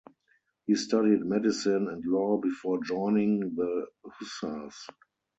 He studied medicine and law before joining the Hussars.